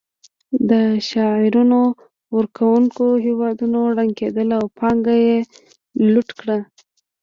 د شعارونو ورکونکو هېواد ړنګ کړ او پانګه یې لوټ کړه